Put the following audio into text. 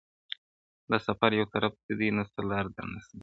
دا سفر یو طرفه دی نسته لار د ستنېدلو -